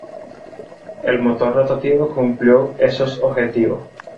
El motor rotativo cumplió esos objetivos.